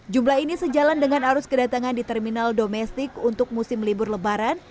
jumlah ini sejalan dengan arus kedatangan di terminal domestik untuk musim libur lebaran